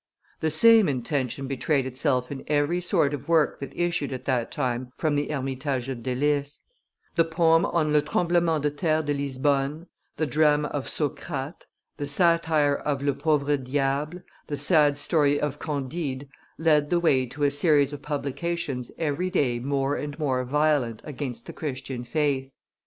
The same intention betrayed itself in every sort of work that issued at that time from the hermitage of Delices, the poem on Le Tremblement de Terre de Lisbonne, the drama of Socrate, the satire of the Pauvre Diable, the sad story of Candide, led the way to a series of publications every day more and more violent against the Christian faith.